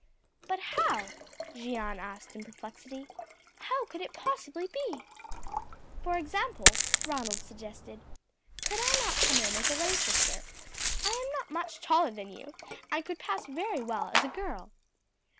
"But how," Jeanne asked in perplexity, "how could it possibly be?" "For example," Ronald suggested; "could I not come in as a lay sister? I am not much taller than you, and could pass very well as a girl."